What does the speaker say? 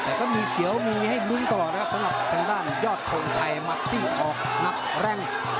แต่ก็มีเสียวมีให้ดุ้งตลอดนะครับข้างล่างยอดคนชัยมัดที่ออกนับแรง